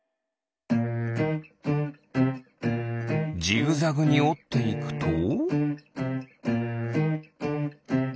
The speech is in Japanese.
ジグザグにおっていくと。